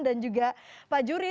dan juga pak juri